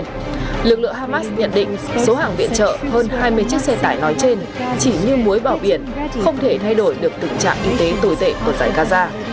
lực lượng hamas nhận định số hàng viện chợ hơn hai mươi chiếc xe tải nói trên chỉ như muối bảo biển không thể thay đổi được tình trạng y tế tồi tệ của giải gaza